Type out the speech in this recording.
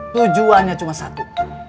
tujuannya cuma satu